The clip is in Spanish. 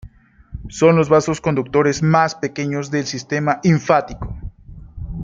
Son los vasos conductores más pequeños del sistema linfático.